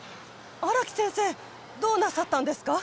荒木先生どうなさったんですか？